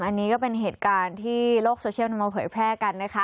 อันนี้ก็เป็นเหตุการณ์ที่โลกโซเชียลนำมาเผยแพร่กันนะคะ